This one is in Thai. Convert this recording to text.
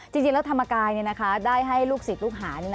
จริงแล้วธรรมกายได้ให้ลูกศิษย์ลูกหา